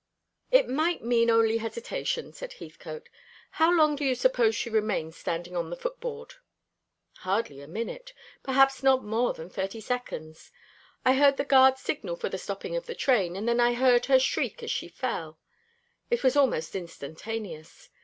"It might mean only hesitation," said Heathcote. "How long do you suppose she remained standing on the footboard?" "Hardly a minute perhaps not more than thirty seconds. I heard the guard signal for the stopping of the train, and then I heard her shriek as she fell. It was almost instantaneous.